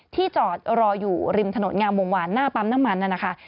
จอดรออยู่ริมถนนงามวงวานหน้าปั๊มน้ำมันนั่นนะคะ